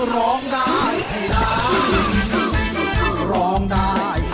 ร้องได้ให้ร้านร้องได้